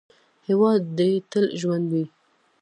هیواد دې تل ژوندی وي.